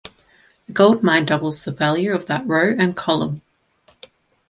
The gold mine doubles the value of that row and column.